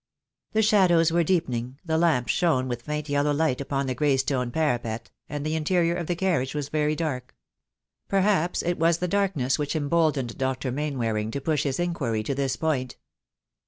The shadows were deepening, the lamps shone with faint yellow light upon the grey stone parapet, and the interior of the carriage was very dark. Perhaps it was the darkness which emboldened Dr. Mainwaring to push his inquiry to this point.